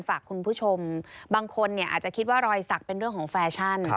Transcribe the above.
ฝากคุณผู้ชมบางคนอาจจะคิดว่ารอยสักเป็นเรื่องของแฟชั่น